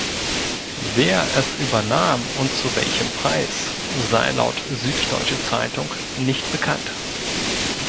Wer es übernahm und zu welchem Preis, sei laut Süddeutsche Zeitung nicht bekannt.